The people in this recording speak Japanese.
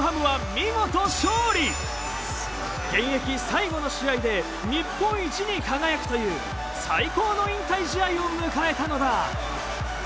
すると現役最後の試合で日本一に輝くという最高の引退試合を迎えたのだ。